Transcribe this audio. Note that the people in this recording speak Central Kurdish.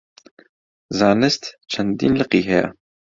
زانست چەندین لقی هەیە.